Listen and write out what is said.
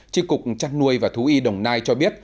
tri cục trăn nuôi và thú y đồng nai cho biết